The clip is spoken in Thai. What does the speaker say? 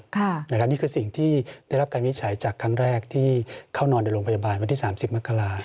นี่คือสิ่งที่ได้รับการวินิจฉัยจากครั้งแรกที่เข้านอนในโรงพยาบาลวันที่๓๐มกรา